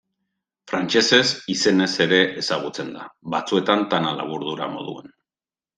Frantsesez izenez ere ezagutzen da, batzuetan Tana laburdura moduan.